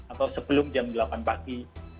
atau sebelum jam delapan pagi